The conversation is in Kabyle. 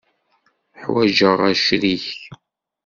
Ḥwaǧeɣ acrik.